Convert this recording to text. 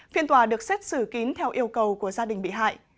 phiên tòa được xét xử kín theo yêu cầu của gia đình bị hại